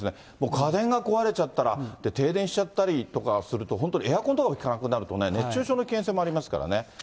家電が壊れちゃったら、停電しちゃったりとかすると、本当にエアコンとか効かなくなると、熱中症の危険性もありますからね。